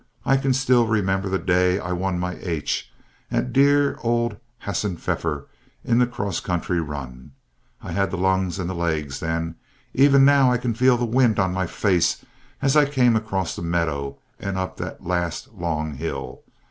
I can still remember the day I won my "H" at dear old Hassenpfeffer in the 'cross country run. I had the lungs and the legs then. Even now I can feel the wind on my face as I came across the meadow and up that last, long hill.